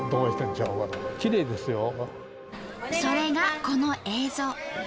それがこの映像。